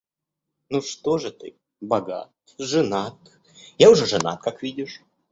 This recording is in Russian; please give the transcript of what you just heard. Ну, что же ты? Богат? Женат? Я уже женат, как видишь...